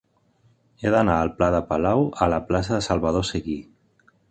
He d'anar del pla de Palau a la plaça de Salvador Seguí.